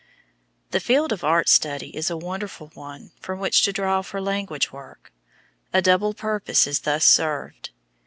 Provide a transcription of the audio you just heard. The field of art study is a wonderful one from which to draw for language work. A double purpose is thus served.